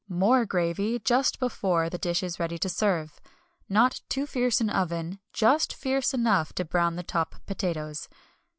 More gravy just before the dish is ready to serve. Not too fierce an oven, just fierce enough to brown the top potatoes.